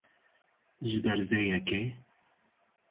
Ji ber vê yekê